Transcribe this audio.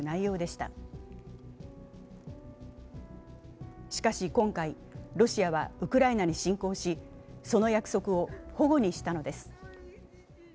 しかし今回、ロシアはウクライナに侵攻しその約束を反故にしたのです。